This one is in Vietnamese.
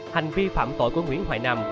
hành vi phạm tội của nguyễn hoài nam